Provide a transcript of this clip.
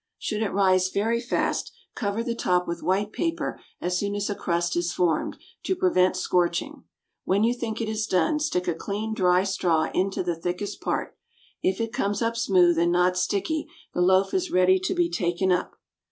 Should it rise very fast, cover the top with white paper as soon as a crust is formed, to prevent scorching. When you think it is done stick a clean, dry straw into the thickest part. If it comes up smooth and not sticky the loaf is ready to be taken up.